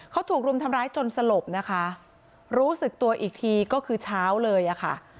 เขาถูกรุมทำร้ายจนสลบนะคะรู้สึกตัวอีกทีก็คือเช้าเลยอะค่ะ